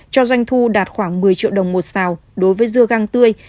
cho doanh thu đạt khoảng một mươi triệu đồng một xào đối với dưa gang tươi